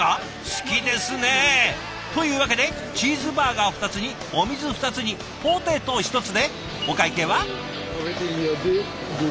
好きですね！というわけでチーズバーガー２つにお水２つにポテト１つでお会計は？